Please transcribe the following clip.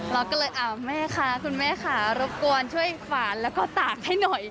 เราก็เลยอ้าวแม่คะคุณแม่ค่ะรบกวนช่วยฝานแล้วก็ตากให้หน่อย